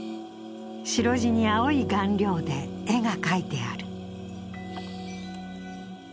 白地に青い顔料で絵が描いてある。